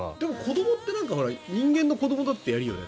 でも人間の子どもだってやるよね。